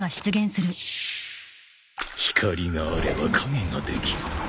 光があれば影ができる。